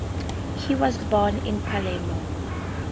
He was born in Palermo.